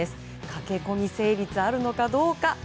駆け込み成立あるのかどうか？